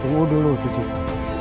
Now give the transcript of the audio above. tunggu dulu cucuku